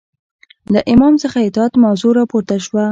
له امام څخه اطاعت موضوع راپورته شوه